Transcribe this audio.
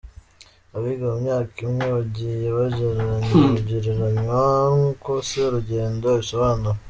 Abiga mu myaka imwe bagiye begerenywa; nk’uko Serugendo abisobanura.